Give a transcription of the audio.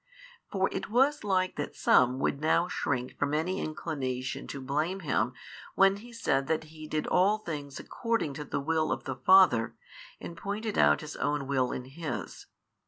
For it was like that some would now shrink from any inclination to blame Him when He said |612 that He did all things according to the Will of the Father and pointed out His own Will in His.